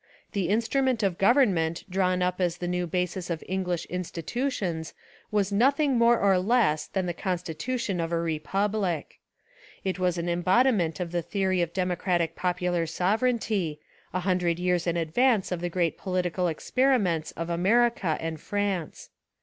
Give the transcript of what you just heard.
The Instrument of Government drawn up as the new basis of English institutions was nothing more or less than the constitution of a repub lic. It was an embodiment of the theory of democratic popular sovereignty, a hundred years in advance of the great political experi ments of America and France.